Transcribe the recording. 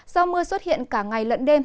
do mưa xuất hiện cả ngày lẫn đêm